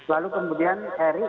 lalu kemudian eri